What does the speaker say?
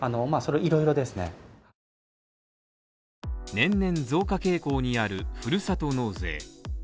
年々増加傾向にあるふるさと納税。